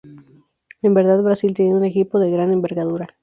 En verdad, Brasil tenía un equipo de gran envergadura.